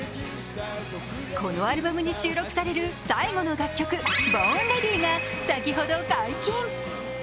このアルバムに収録される楽曲、「Ｂｏｒｎｒｅａｄｙ」が先ほど解禁。